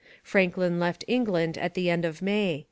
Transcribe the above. Franklin left England at the end of May.